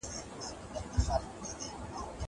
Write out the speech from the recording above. زه مخکي شګه پاکه کړې وه!!